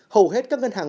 hầu hết các ngân hàng